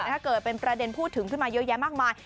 เกิดเป็นประเด็นพูดถึงขึ้นมาเยอะแยะมากมาย